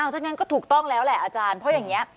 ถ้างั้นก็ถูกต้องแล้วแหละอาจารย์เพราะอย่างนี้